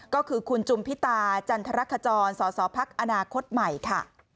ก็คือคุณจุมพิตาจันทรคจรสสพักอนาคตใหม่ค่ะ